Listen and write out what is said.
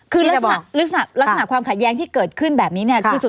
คือลักษณะขวามขาดแย้งที่เกิดขึ้นแบบนี้